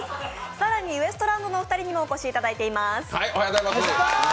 更にウエストランドのお二人にもお越しいただいています。